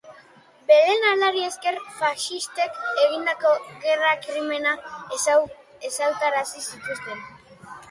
Bere lanari esker faxistek egindako gerra krimenak ezagutarazi zituen.